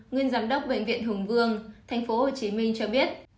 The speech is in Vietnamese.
nguyên giám đốc bệnh viện hùng vương tp hcm cho biết